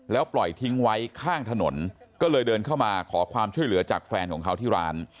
แล้วปล่อยทิ้งไว้ข้างถนนก็เลยเดินเข้ามาขอความช่วยเหลือจากแฟนของเขาที่ร้าน